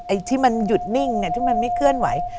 ไอ้ที่มันหยุดนิ่งเนี่ยที่มันไม่เคลื่อนไหว